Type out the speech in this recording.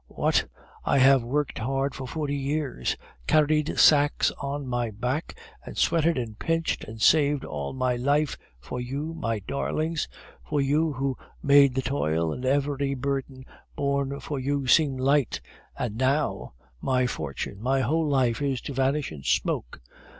What! I have worked hard for forty years, carried sacks on my back, and sweated and pinched and saved all my life for you, my darlings, for you who made the toil and every burden borne for you seem light; and now, my fortune, my whole life, is to vanish in smoke!